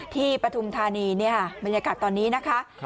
ปฐุมธานีบรรยากาศตอนนี้นะคะ